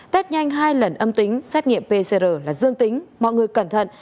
test nhanh hai lần âm tính xét nghiệm pcr là dương tính mọi người cẩn thận